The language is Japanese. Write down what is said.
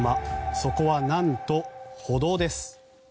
そこはなんと歩道です。